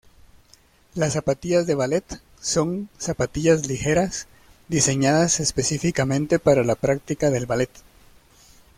Las zapatillas de "ballet", son zapatillas ligeras diseñadas específicamente para la práctica del "ballet".